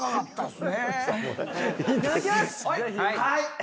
はい。